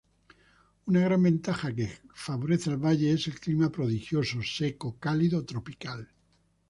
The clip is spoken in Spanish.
Una gran ventaja que favorece al valle, es el clima prodigioso seco, cálido, tropical.